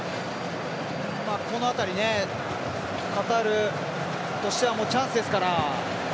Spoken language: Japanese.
この辺りカタールとしてはチャンスですから。